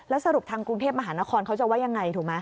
สรุปทางกรุงเทพมหานครเขาจะว่ายังไงถูกไหม